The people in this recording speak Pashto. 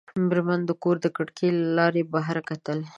مېرمن د کور د کړکۍ له لارې بهر کتل.